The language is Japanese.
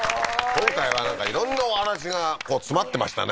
今回はなんか色んなお話が詰まってましたね